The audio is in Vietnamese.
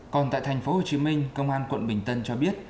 còn tại thành phố hồ chí minh công an quận bình tân cho biết